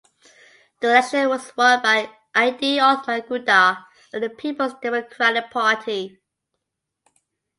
The election was won by Idi Othman Guda of the Peoples Democratic Party.